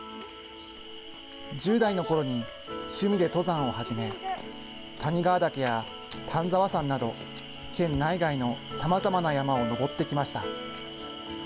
１０代のころに趣味で登山を始め、谷川岳や丹沢山など、県内外のさまざまな山を登ってきました。